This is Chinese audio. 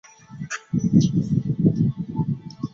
小油菊为菊科小葵子属下的一个种。